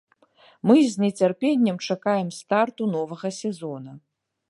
Мы з нецярпеннем чакаем старту новага сезона.